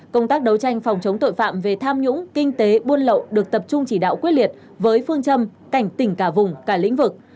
công tác đấu tranh phòng chống tội phạm về tham nhũng kinh tế buôn lậu được tập trung chỉ đạo quyết liệt với phương châm cảnh tỉnh cả vùng cả lĩnh vực